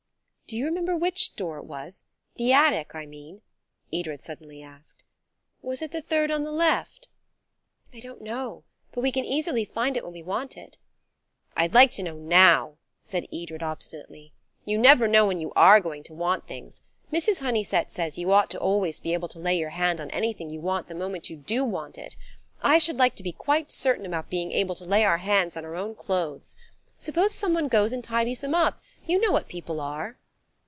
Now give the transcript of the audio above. "Do you remember which door it was–the attic, I mean?" Edred suddenly asked. "Was it the third on the left?" "I don't know. But we can easily find it when we want it." "I'd like to know now," said Edred obstinately. "You never know when you are going to want things. Mrs. Honeysett says you ought always to be able to lay your hand on anything you want the moment you do want it. I should like to be quite certain about being able to lay our hands on our own clothes. Suppose some one goes and tidies them up. You know what people are."